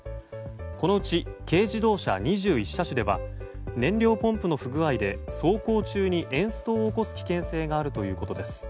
このうち、軽自動車２１車種では燃料ポンプの不具合で走行中にエンストを起こす危険性があるということです。